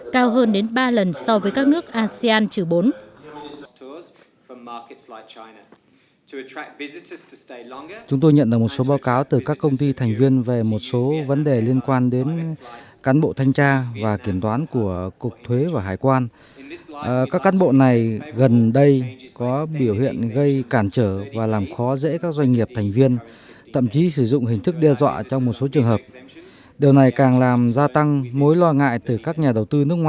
cao hơn đến ba lần so với các nước asean chữ bốn